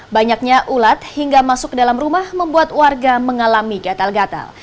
banyaknya ulat hingga masuk ke dalam rumah membuat warga mengalami gatal gatal